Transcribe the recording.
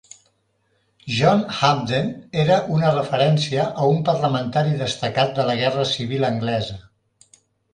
"John Hampden" era una referència a un parlamentari destacat de la Guerra Civil anglesa.